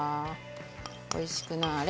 おいしくなあれ。